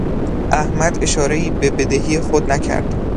احمد اشارهای به بدهی خود نکرد.